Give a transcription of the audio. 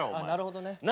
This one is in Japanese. なるほどね。